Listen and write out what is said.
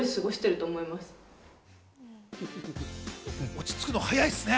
落ち着くの、早いっすね。